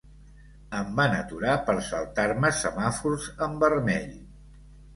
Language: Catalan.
Em van aturar per saltar-me semàfors en vermell.